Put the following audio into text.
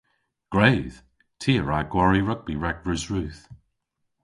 Gwredh! Ty a wra gwari rugbi rag Resrudh.